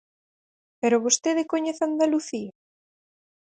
¿Pero vostede coñece Andalucía?